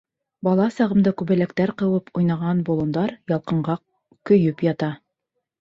Бала сағымда күбәләктәр ҡыуып уйнаған болондар ялҡынға көйөп ята.